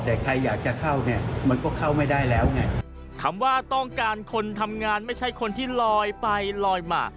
แต่ใครอยากจะเข้าเนี่ยมันก็เข้าไม่ได้แล้วไงคำว่าต้องการคนทำงานไม่ใช่คนที่ลอยไปลอยมา